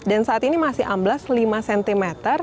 dan saat ini masih amblas lima cm